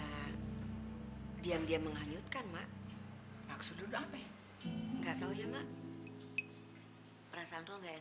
hai diam diam menghanyutkan mak maksudnya apa enggak tahu ya mak perasaan lu enak astagfirullahaladzim